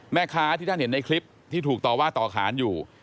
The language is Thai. แม่ค้าที่ท่านเห็นในคลิปที่ถูกต่อว่าต่อขานอยู่